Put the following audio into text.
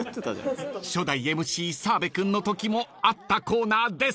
［初代ＭＣ澤部君のときもあったコーナーです］